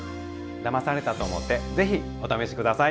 だまされたと思ってぜひお試し下さい。